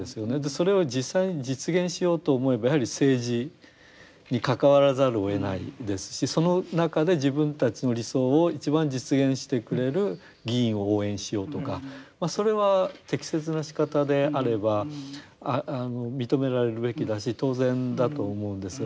それを実際に実現しようと思えばやはり政治に関わらざるをえないですしその中で自分たちの理想を一番実現してくれる議員を応援しようとかまあそれは適切なしかたであれば認められるべきだし当然だと思うんです。